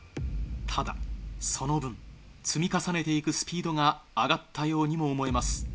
ただその分積み重ねていくスピードが上がったようにも思えます。